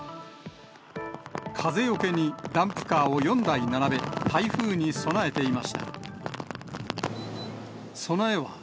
風よけにダンプカーを４台並べ、台風に備えていました。